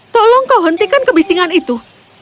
tolong kau hentikan kebisingan itu